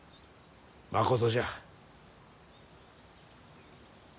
まことじゃ。